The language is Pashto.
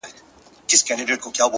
هغه به څرنګه بلا وویني ـ